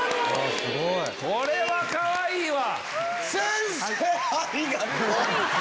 これはかわいいわ！